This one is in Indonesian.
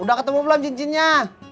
udah ketemu pulang cincinnya